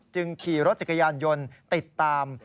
ขี่รถจักรยานยนต์ติดตาม